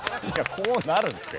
こうなるって。